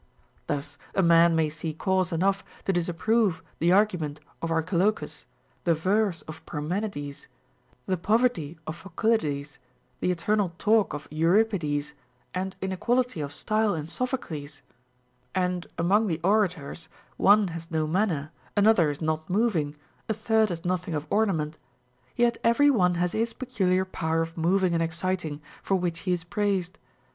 Thus a man may see cause enough to disapprove the argument of Archilochus, the verse of Parmenides, the poΛ^erty of Phocylides, the eternal talk of Euripides, and inequality of style in Sophocles ; and among the orators, one has no manner, another is not moving, a third has nothing of ornament ; yet every one has his peculiar power of moving and exciting, for which he is praised.